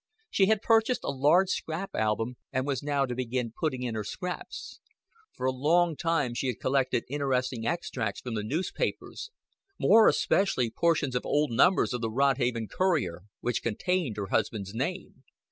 She had purchased a large scrap album, and was now to begin putting in her scraps. For a long time she had collected interesting extracts from the newspapers, more especially portions of old numbers of the Rodhaven Courier which contained her husband's name.